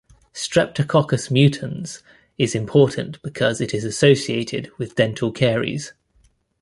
"Streptococcus mutans" is important because it is associated with dental caries.